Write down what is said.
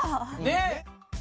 ねっ！